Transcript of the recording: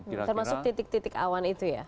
termasuk titik titik awan itu ya